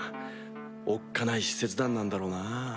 おっかない使節団なんだろうな。